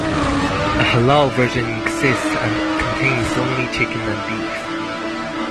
A halal version exists and contains only chicken and beef.